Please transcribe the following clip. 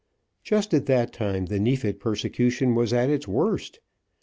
Just at that time the Neefit persecution was at its worst.